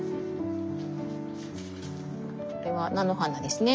これは菜の花ですね。